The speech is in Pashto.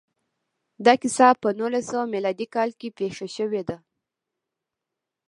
دا کیسه په نولس سوه میلادي کال کې پېښه شوې ده